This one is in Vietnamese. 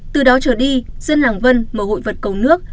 từ đó trở đi dân làng vân mở hội vật cầu nước